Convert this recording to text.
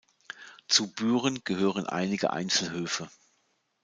Zu Büren gehören einige Einzelhöfe.